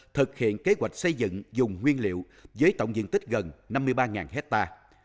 thực hiện kế hoạch xây dựng dùng nguyên liệu với tổng diện tích gần năm mươi ba hectare